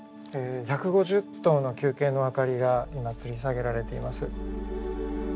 １５０灯の球形のあかりが今つり下げられています。